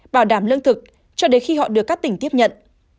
bảo đảm lương thực cho đến khi họ được các tỉnh tiếp nhận